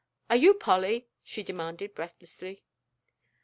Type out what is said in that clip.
"Are you Polly?" she demanded breathlessly.